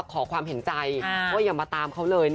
ขอความเห็นใจว่าอย่ามาตามเขาเลย